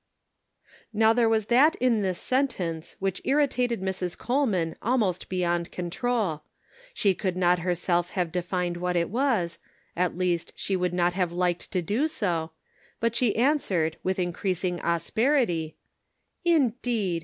Now there was that in this sentence which irritated Mrs. Coleman almost beyond control; she could not herself have defined what it was, at least she would not have liked to do so, but she answered, with increasing asperity: " Indeed